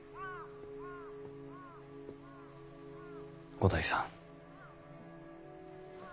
五代さん。